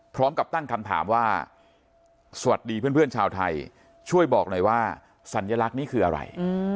พร้อมกับตั้งคำถามว่าสวัสดีเพื่อนชาวไทยช่วยบอกหน่อยว่าสัญลักษณ์นี้คืออะไร